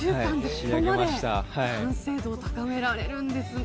ここまで完成度を高められるんですね。